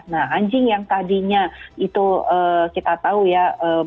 nah anjing yang tadinya itu kita tahu ya